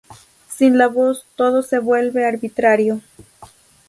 Sin la voz, todo se vuelve arbitrario.